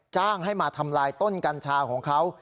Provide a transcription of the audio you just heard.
จ้างให้มาทำลายต้นกัญชาของเขา